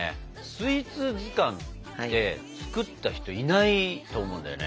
スイーツ図鑑って作った人いないと思うんだよね。